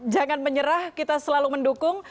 jangan menyerah kita selalu mendukung